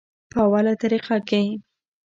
پۀ اوله طريقه کښې